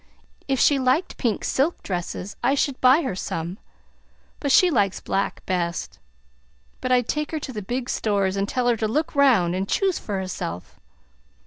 If she liked pink silk dresses, I should buy her some, but she likes black best. But I'd, take her to the big stores, and tell her to look 'round and choose for herself.